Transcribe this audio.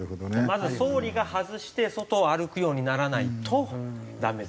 まず総理が外して外を歩くようにならないとダメですね。